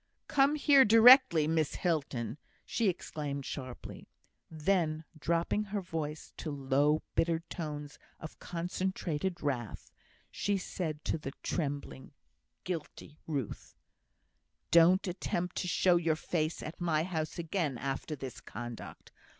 "Come here directly, Miss Hilton," she exclaimed, sharply. Then, dropping her voice to low, bitter tones of concentrated wrath, she said to the trembling, guilty Ruth: "Don't attempt to show your face at my house again after this conduct.